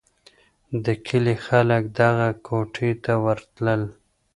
د کلي خلک دغه کوټې ته ورتلل.